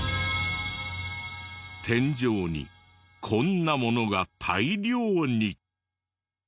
天井にこんなものが大量に。